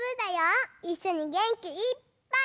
いっしょにげんきいっぱい。